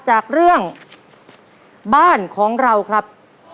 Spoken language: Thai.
จากเรื่องบ้านของเราครับ